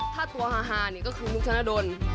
ถ้าตัวฮานี่ก็คือมุกธนดล